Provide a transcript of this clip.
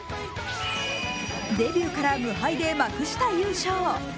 デビューから無敗で幕下優勝。